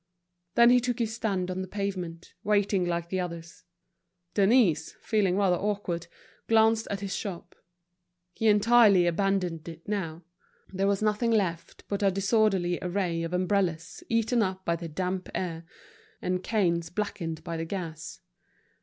Then he took his stand on the pavement, waiting like the others. Denise, feeling rather awkward, glanced at his shop. He entirely abandoned it now; there was nothing left but a disorderly array of umbrellas eaten up by the damp air, and canes blackened by the gas.